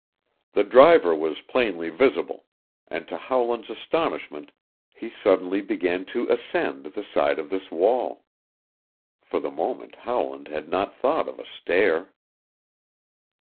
The driver was plainly visible, and to Howland's astonishment he suddenly began to ascend the side of this wall. For the moment Howland had not thought of a stair.